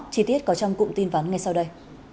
chi tiết có trong cụm tin vắn ngay sau đây